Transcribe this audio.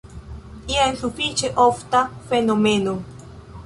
Jen sufiĉe ofta fenomeno.